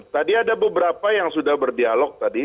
tadi ada beberapa yang sudah berdialog tadi